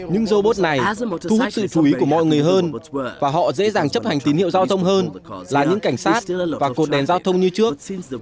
những robot này thu hút sự chú ý của mọi người hơn và họ dễ dàng chấp hành tín hiệu giao thông hơn là những cảnh sát và cột đèn giao thông như trước